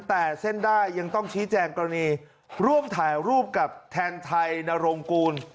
แต่เส้นได้ยังต้องชี้แจงกรณีร่วมถ่ายรูปกับแทนไทยนรงกูล